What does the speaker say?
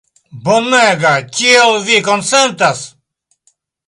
Bonega! Tiel, vi konsentas?